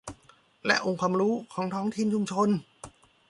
และองค์ความรู้ของท้องถิ่นชุมชน